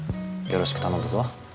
よろしく頼んだぞ。